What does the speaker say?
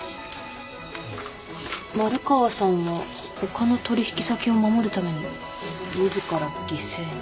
丸川さんは他の取引先を守るために自ら犠牲に。